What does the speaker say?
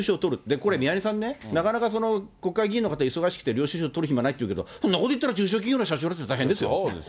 これ、宮根さんね、なかなか国会議員の方、忙しくて領収書取る暇ないって言ったら、そんなこと言ったら、中小企業の社長だって大変ですよ。